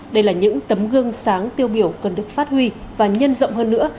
đây là những tấm gương sáng tiêu biểu cân đức phát huy và nhân rộng hơn nữa